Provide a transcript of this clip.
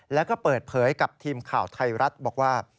แล้วก็เปิดเผยกับทีมข่าวไทยรัฐบอกว่า